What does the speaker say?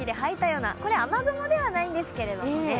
これ、雨雲ではないんですけれどもね。